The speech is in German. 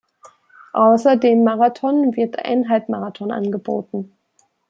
Außer dem Marathon wird ein Halbmarathon angeboten.